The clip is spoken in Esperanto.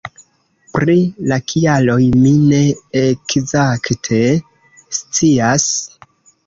Pri la kialoj mi ne ekzakte scias.